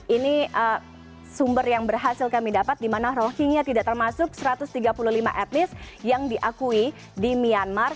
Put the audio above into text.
ini sumber yang berhasil kami dapat di mana rohingya tidak termasuk satu ratus tiga puluh lima etnis yang diakui di myanmar